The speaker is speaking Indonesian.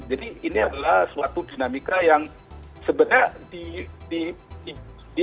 jadi ini adalah suatu dinamika yang sebenarnya diarekan